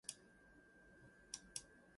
"I Com" received generally favorable reviews.